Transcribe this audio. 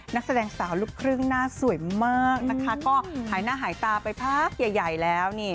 นักแสดงสาวลูกครึ่งหน้าสวยมากนะคะก็หายหน้าหายตาไปพักใหญ่แล้วนี่